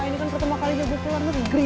ini kan pertama kali gue keluar negeri